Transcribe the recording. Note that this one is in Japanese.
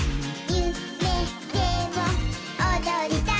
「ゆめでもおどりたい」